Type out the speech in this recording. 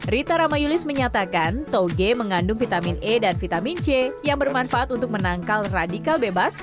rita ramayulis menyatakan toge mengandung vitamin e dan vitamin c yang bermanfaat untuk menangkal radikal bebas